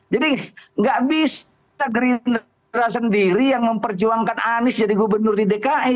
jadi nggak bisa gerindra sendiri yang memperjuangkan anies jadi gubernur dki